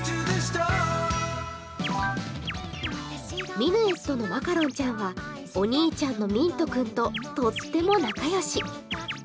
ミヌエットのマカロンちゃんは、お兄ちゃんのミント君ととっても仲よし。